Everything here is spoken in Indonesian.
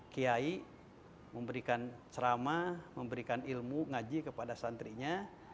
kiai memberikan ceramah memberikan ilmu ngaji kepada santrinya